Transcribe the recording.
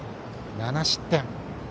７失点。